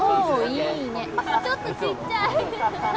ちょっとちっちゃい！